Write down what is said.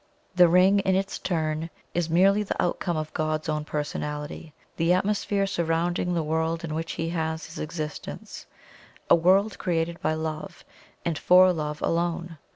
The Ring, in its turn, is merely the outcome of God's own personality the atmosphere surrounding the World in which He has His existence a World created by Love and for Love alone.